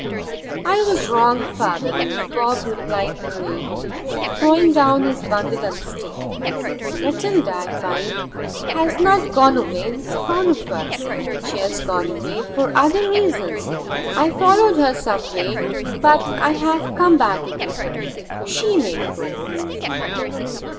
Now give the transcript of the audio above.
'I was wrong, father,' Bob replied gravely, throwing down his bundle and stick. 'Matilda, I find, has not gone away in scorn of us; she has gone away for other reasons. I followed her some way; but I have come back again. She may go.'